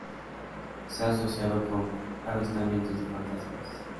Se ha asociado con "avistamientos de fantasmas".